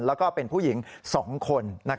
แล้วก็เป็นผู้หญิง๒คน